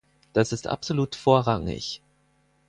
Das ist absolut vorrangig.